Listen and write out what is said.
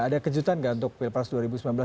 ada kejutan gak untuk pilkada dua ribu sembilan belas